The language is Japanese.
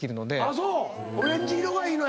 オレンジ色がいいの？